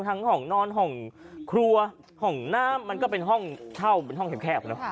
ทั้งห้องนอนห้องครัวห้องน้ำมันก็เป็นห้องเช่าห้องแข็บนะครับ